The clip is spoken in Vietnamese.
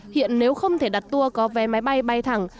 hiện nếu không thể đặt tour có vé máy bay bay thẳng